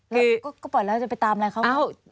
แล้วก็ปล่อยแล้วจะไปตามอะไรเขา